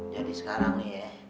jadi sekarang nih ya